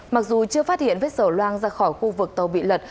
mặc dù chưa phát hiện vết dầu loang ra khỏi khu vực tàu bị lật